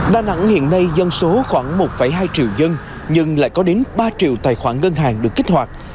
đà nẵng hiện nay dân số khoảng một hai triệu dân nhưng lại có đến ba triệu tài khoản ngân hàng được kích hoạt